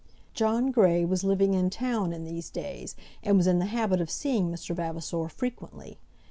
John Grey was living in town in these days, and was in the habit of seeing Mr. Vavasor frequently.